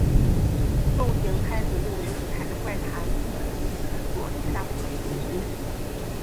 送行拍子木为舞台的怪谈本所七大不可思议之一。